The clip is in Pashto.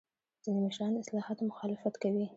ځینې مشران د اصلاحاتو مخالفت کوي.